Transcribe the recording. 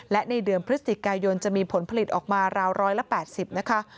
และในเดือนพฤศจิกายนจะมีผลผลิตออกมาราว๑๘๐นะคะ